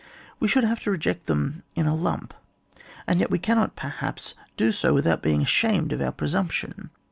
We should have to reject them in a lump, and yet we cannot, perhaps, do so without being ashamed of our presumption.